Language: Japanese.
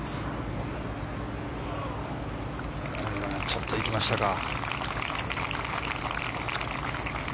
ちょっと行きましたか。